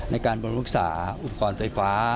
ในการบริรักษาอุปกรณ์ไฟฟ้า